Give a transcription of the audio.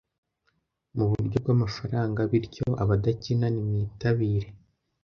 mu buryo bw’amafaranga bityo, abadakina nimwitabire